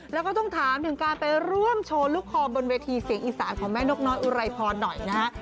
แล้วก็ต้องถามถึงการไปร่วมโชว์ลูกคอบนเวทีเสียงอีสานของแม่นกน้อยอุไรพรหน่อยนะฮะ